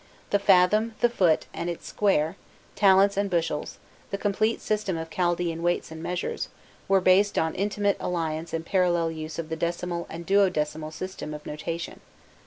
The fathom, the foot and its square, talents and bushels, the complete system of Chaldaean weights and measures, were based on the intimate alliance and parallel use of the decimal and duodecimal systems of notation.